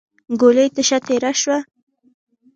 ګولۍ تشه تېره شوه.